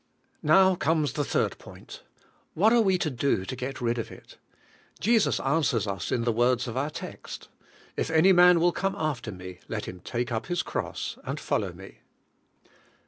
Now comes the third point. What are we to do to get rid of it? Jesus answers us in the words of our text: "If an}^ man will come after me, let him take up his cross and follow me."